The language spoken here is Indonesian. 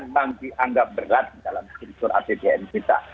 yang dianggap berat dalam struktur apbn kita